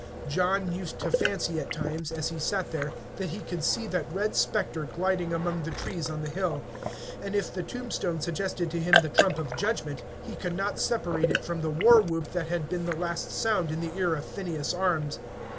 John used to fancy at times, as he sat there, that he could see that red specter gliding among the trees on the hill; and if the tombstone suggested to him the trump of judgment, he could not separate it from the war whoop that had been the last sound in the ear of Phineas Arms.